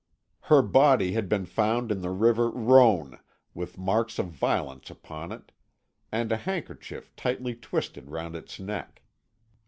Her body had been found in the River Rhone, with marks of violence upon it, and a handkerchief tightly twisted round its neck.